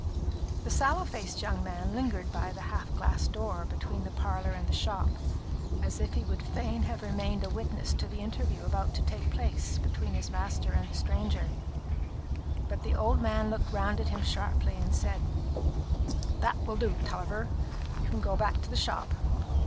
The sallow faced young man lingered by the half glass door between the parlour and the shop, as if he would fain have remained a witness to the interview about to take place between his master and the stranger; but the old man looked round at him sharply, and said, "That will do, Tulliver; you can go back to the shop.